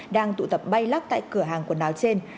đang tụ tập bay lắc tại cửa hàng quần áo trên